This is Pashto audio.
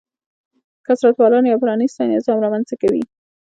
کثرت پالنه یو پرانیستی نظام رامنځته کوي.